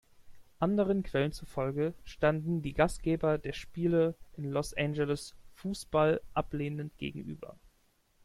Anderen Quellen zufolge standen die Gastgeber der Spiele in Los Angeles Fußball ablehnend gegenüber.